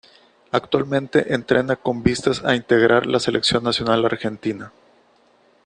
Actualmente entrena con vistas a integrar la selección Nacional Argentina.